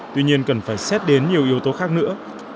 tuy nhiên cần phải xét đến nhiều yếu tố khác nữa